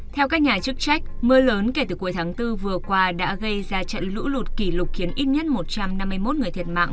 theo các nhà chức trách mưa lớn kể từ cuối tháng bốn vừa qua đã gây ra trận lũ lụt kỷ lục khiến ít nhất một trăm năm mươi một người thiệt mạng